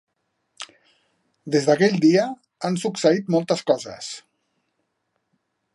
Des d'aquell dia, han succeït moltes coses.